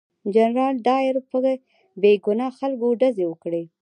جنرال ډایر په بې ګناه خلکو ډزې وکړې.